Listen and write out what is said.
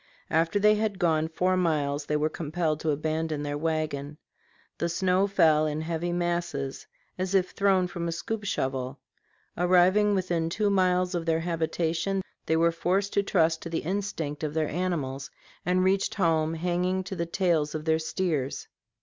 After they had gone four miles they were compelled to abandon their wagon; the snow fell in heavy masses "as if thrown from a scoop shovel"; arriving within two miles of their habitation, they were forced to trust to the instinct of their animals, and reached home hanging to the tails of their steers.